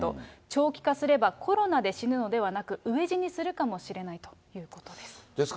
長期化すればコロナで死ぬのではなく、飢え死にするかもしれないということです。